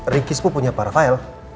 ricky sepupunya para fail